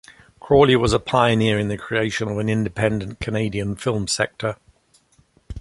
Crawley was a pioneer in the creation of an independent Canadian film sector.